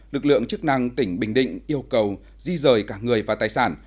lực lượng chức năng tỉnh bình định yêu cầu di rời cả người và tài sản